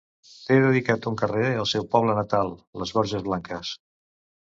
Té dedicat un carrer al seu poble natal, les Borges Blanques.